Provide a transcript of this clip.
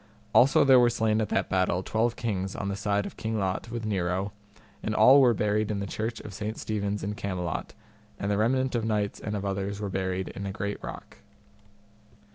Also there were slain at that battle twelve kings on the side of King Lot with Nero, and all were buried in the Church of Saint Stephen's in Camelot, and the remnant of knights and of others were buried in a great rock.